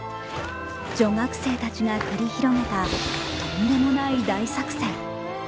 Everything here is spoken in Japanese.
女学生たちが繰り広げたとんでもない大作戦。